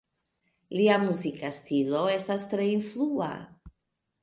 Lia muzika stilo estas tre influa.